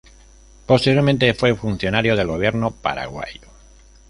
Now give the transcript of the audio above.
Posteriormente fue funcionario del gobierno paraguayo.